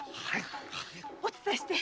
お伝えして。